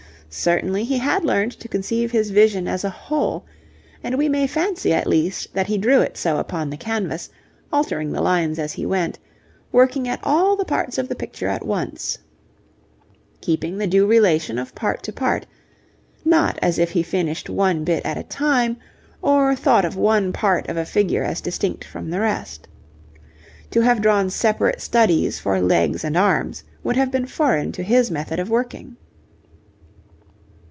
Certainly he had learned to conceive his vision as a whole, and we may fancy at least that he drew it so upon the canvas altering the lines as he went working at all the parts of the picture at once, keeping the due relation of part to part; not as if he finished one bit at a time, or thought of one part of a figure as distinct from the rest. To have drawn separate studies for legs and arms would have been foreign to his method of working.